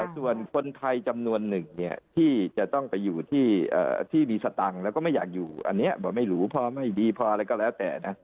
ส่วนคนไทยจำนวนหนึ่งที่จะต้องไปอยู่ที่มีสตังค์แล้วก็ไม่อยากอยู่อันนี้บอกไม่รู้พอไม่ดีพออะไรก็แล้วแต่นะ